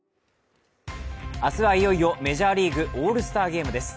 明日はいよいよメジャーリーグオールスターゲームです。